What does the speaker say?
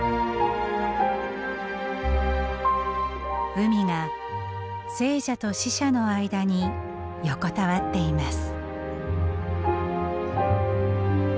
海が生者と死者の間に横たわっています。